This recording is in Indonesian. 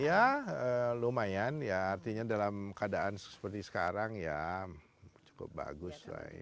iya lumayan ya artinya dalam keadaan seperti sekarang ya cukup bagus lah ya